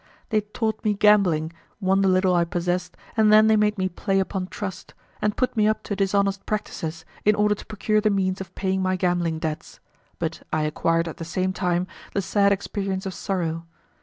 They taught me gambling, won the little I possessed, and then they made me play upon trust, and put me up to dishonest practices in order to procure the means of paying my gambling debts; but I acquired at the same time the sad experience of sorrow!